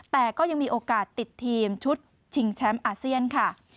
แต่ก็ยังมีโอกาสติดทีมชุดชิงแชมป์อาเซียนค่ะ